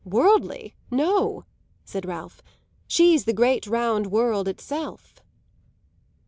"Worldly? No," said Ralph, "she's the great round world itself!"